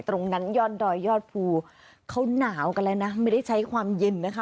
ยอดดอยยอดภูเขาหนาวกันแล้วนะไม่ได้ใช้ความเย็นนะคะ